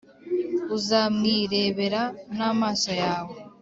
uzamwirebera n’amaso yawe.